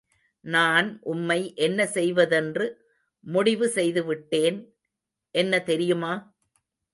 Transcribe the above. நான் உம்மை என்ன செய்வதென்று முடிவு செய்துவிட்டேன், என்ன தெரியுமா?